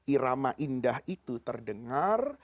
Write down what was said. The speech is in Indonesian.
irama indah itu terdengar